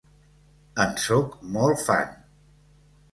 En sóc molt fan!